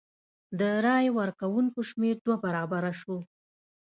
د رای ورکوونکو شمېر دوه برابره شو.